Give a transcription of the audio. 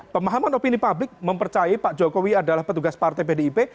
pemahaman opini publik mempercayai pak jokowi adalah petugas partai pdip